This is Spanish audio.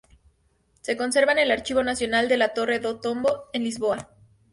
Se conserva en el Archivo Nacional de la Torre do Tombo, en Lisboa.